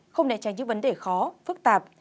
không nẹ tránh những vấn đề khó phức tạp